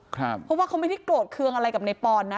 เพราะว่าเขาไม่ได้โกรธเคืองอะไรกับในปอนนะ